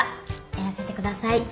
やらせてください。